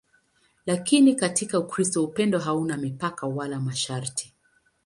Lakini katika Ukristo upendo hauna mipaka wala masharti.